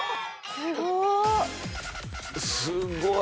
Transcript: すごい。